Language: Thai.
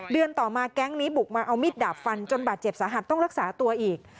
ต่อมาแก๊งนี้บุกมาเอามีดดาบฟันจนบาดเจ็บสาหัสต้องรักษาตัวอีก